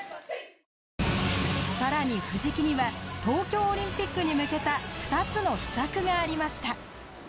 更に、藤木には東京オリンピックに向けた２つの秘策がありました。